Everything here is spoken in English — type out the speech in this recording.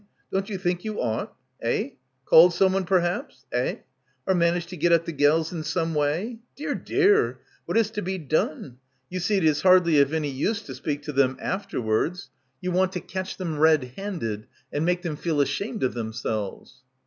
Don't you think you ought? Eh? Called someone perhaps — eh? — or managed to get at the gels in some way— dear, dear, what is to be done? You see it is hardly of any use to speak to them afterwards. You want — 100 —•» BACKWATER to catch them red handed and make them feel ashamed of themselves."